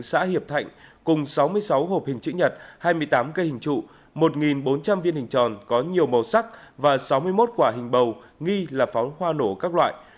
xã hiệp thạnh cùng sáu mươi sáu hộp hình chữ nhật hai mươi tám cây hình trụ một bốn trăm linh viên hình tròn có nhiều màu sắc và sáu mươi một quả hình bầu nghi là pháo hoa nổ các loại